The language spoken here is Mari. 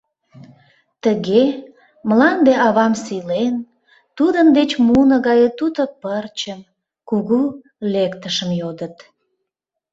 Тыге, мланде авам сийлен, тудын деч муно гае туто пырчым, кугу лектышым йодыт.